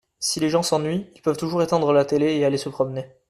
Si les gens s’ennuient ils peuvent toujours éteindre la télé et aller se promener.